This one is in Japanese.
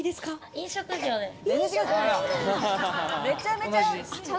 飲食業です。